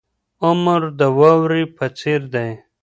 عمر د واورې په څیر دی.